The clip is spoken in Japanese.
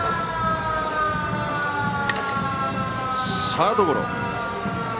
サードゴロ。